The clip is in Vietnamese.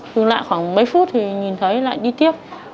dừng lại khoảng mấy phút thì nhìn thấy lại đi tiếp